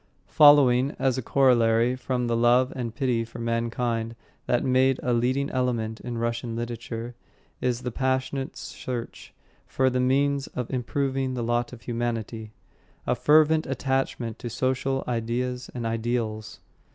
Following as a corollary from the love and pity for mankind that make a leading element in Russian literature, is a passionate search for the means of improving the lot of humanity, a fervent attachment to social ideas and ideals.